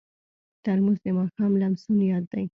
ترموز د ماښام لمسون یاد دی.